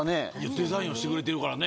デザインはしてくれてるからね。